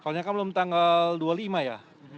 kalau ingat kan belum tanggal dua puluh lima ya